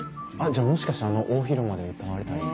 じゃあもしかしてあの大広間で歌われたりも？